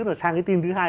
rồi sang cái tin thứ hai